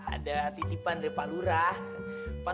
ada titipan repalura